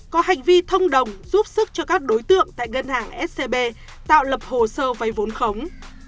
có hành vi thông đồng giúp sức cho các đối tượng tại ngân hàng scb tạo lập hồ sơ vay vốn khống